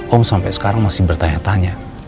om sampai sekarang masih bertanya tanya